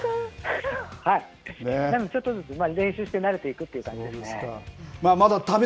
ちょっとずつ、練習して慣れていくという感じですね。